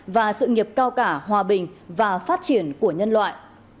và sự nghiệp cao cả hòa bình và phát triển của nhân loại